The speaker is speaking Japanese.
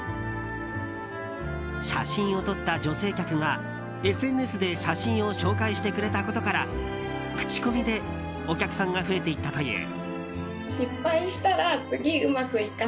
写真を撮った女性客が、ＳＮＳで写真を紹介してくれたことから口コミでお客さんが増えていったという。